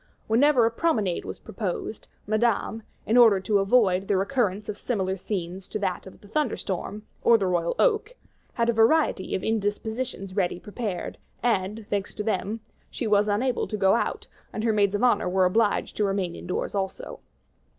Whenever a promenade was proposed, Madame, in order to avoid the recurrence of similar scenes to that of the thunder storm, or the royal oak, had a variety of indispositions ready prepared; and, thanks to them, she was unable to go out, and her maids of honor were obliged to remain indoors also.